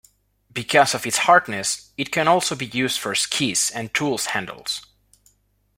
Because of its hardness, it can also be used for skis and tool handles.